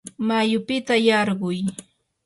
mayupita yarquy.